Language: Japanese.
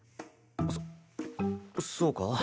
そそうか？